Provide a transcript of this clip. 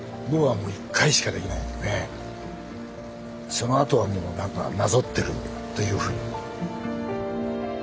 そのあとはもう何かなぞってるというふうに。